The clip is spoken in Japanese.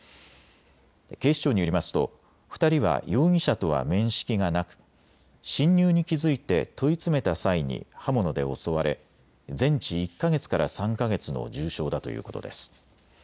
警視庁によりますと２人は容疑者とは面識がなく侵入に気付いて問い詰めた際に刃物で襲われ全治１か月から３か月の重傷だということです。